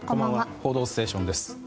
「報道ステーション」です。